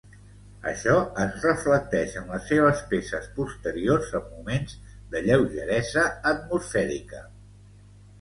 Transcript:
Això es reflecteix en les seves peces posteriors en moments de lleugeresa atmosfèrica.